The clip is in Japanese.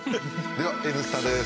では「Ｎスタ」です。